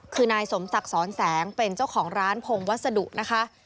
คือนายสมศักดิ์สอนแสงเป็นเจ้าของร้านพงวัสดุนะคะ